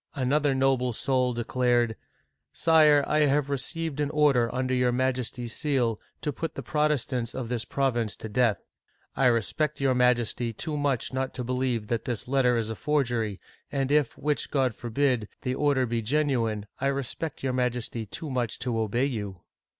'* Another noble soul declared :" Sire, I have received an order under your Majesty's seal, to put the Protestants of this province to death. I respect your Majesty too much not to believe that this letter is a forgery, and if, which God forbid, the order be genuine, I respect your Majesty too much to obey you."